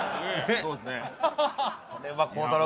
そうですね。